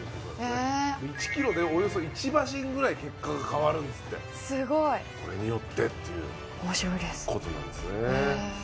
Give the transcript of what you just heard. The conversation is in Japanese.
へー１ｋｇでおよそ１馬身ぐらい結果が変わるんですってすごいこれによってっていうことなんですね